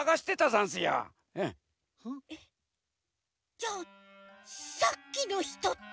じゃあさっきのひとって。